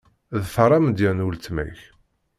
Ḍfeṛ amedya n weltma-k.